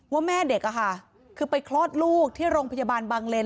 ว่าแม่เด็กคือไปคลอดลูกที่โรงพยาบาลบางเลน